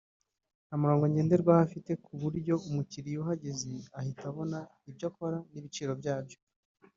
nta murongo ngenderwaho afite ku buryo umukiriya uhageze yahita abona ibyo akora n’ibiciro byabo